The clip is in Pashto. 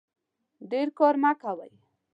ډیر کار مه کوئ